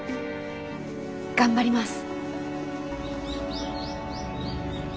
頑張ります。